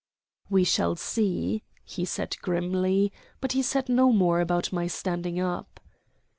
"We shall see," he said grimly; but he said no more about my standing up.